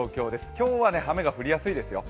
今日は雨が降りやすいですよ。